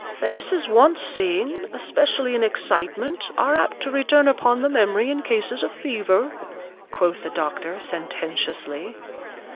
'Faces once seen, especially in excitement, are apt to return upon the memory in cases of fever,' quoth the doctor, sententiously.